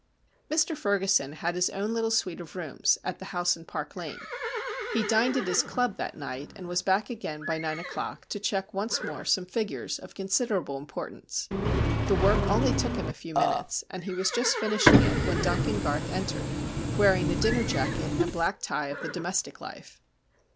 Mr Ferguson had his own little suite of rooms at the house in Park Lane. He dined at his club that night, and was back again by nine o'clock to check once more some figures of considerable importance. The work only took him a few minutes, and he was just finishing it when Duncan Garth entered, wearing the dinner jacket and black tie of the domestic life.